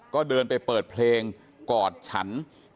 ก็เดินไปเปิดเพลงกอดฉัน